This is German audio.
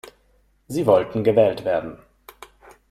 Sie wollten gewählt werden.